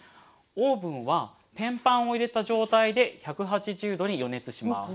オーブンは天板を入れた状態で１８０℃に予熱します。